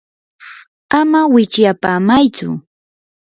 ama wichyapamaytsu.